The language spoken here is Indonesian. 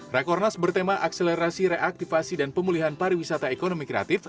rakornas bertema akselerasi reaktivasi dan pemulihan pariwisata ekonomi kreatif